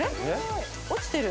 落ちてる。